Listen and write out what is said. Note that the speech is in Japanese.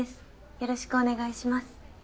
よろしくお願いします。